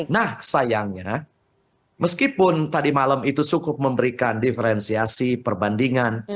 nah sayangnya meskipun tadi malam itu cukup memberikan diferensiasi perbandingan